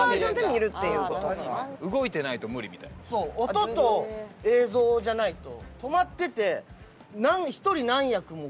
音と映像じゃないと。